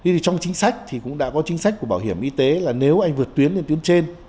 thì trong chính sách thì cũng đã có chính sách của bảo hiểm y tế là nếu anh vượt tuyến lên tuyến trên